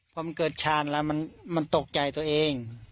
ความเกิดชาญแล้วมันตกใจตัวเอง